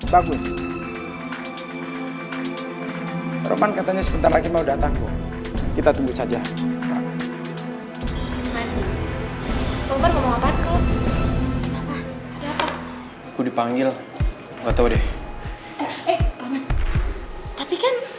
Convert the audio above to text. bagus roman katanya sebentar lagi mau datang kita tunggu saja aku dipanggil enggak tahu deh tapi kan